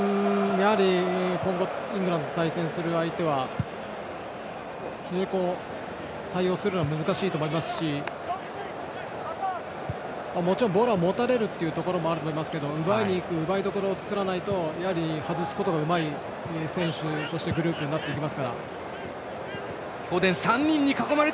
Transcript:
イングランドと対戦する相手は非常に対応するのが難しいと思いますしもちろんボールは持たれるというところもあると思いますが奪いどころを作らないと外すことがうまい選手そしてグループになってきますから。